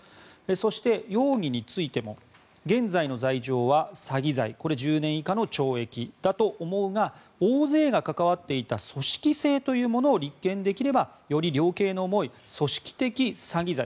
そして、容疑についても現在の罪状は詐欺罪これは１０年以下の懲役だと思うが大勢が関わっていた組織性というものを立件できればより量刑の重い組織的詐欺罪